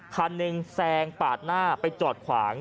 คันหนึ่งแซงปาดหน้าไปจอดขวาง